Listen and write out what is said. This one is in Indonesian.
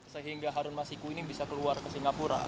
sehingga harun masiku ini bisa keluar ke singapura